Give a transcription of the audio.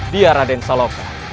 dia raden saloka